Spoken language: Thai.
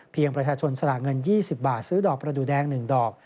ประชาชนสละเงิน๒๐บาทซื้อดอกประดูแดง๑ดอก